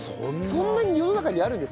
そんなに世の中にあるんですか？